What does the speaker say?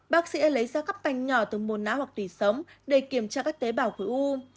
bác sĩ sẽ lấy ra các tành nhỏ từ mồ nát hoặc tùy sống để kiểm tra các tế bào khối u